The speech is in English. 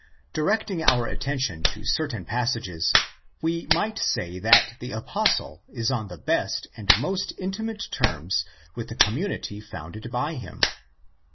Directing our attention to certain passages, we might say that the Apostle is on the best and most intimate terms with the community founded by him.